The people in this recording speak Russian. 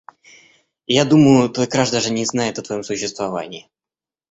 Я думаю, твой краш даже не знает о твоём существовании.